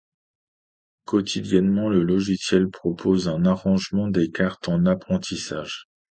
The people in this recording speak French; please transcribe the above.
Quotidiennement le logiciel propose un arrangement des cartes en apprentissage.